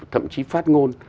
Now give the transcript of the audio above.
thậm chí phát ngôn